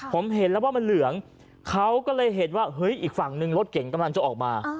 ผมเห็นแล้วว่ามันเหลืองเขาก็เลยเห็นว่าเฮ้ยอีกฝั่งนึงรถเก่งกำลังจะออกมา